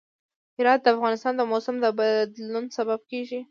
هرات د افغانستان د موسم د بدلون سبب کېږي.